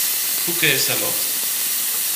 Who Cares A Lot?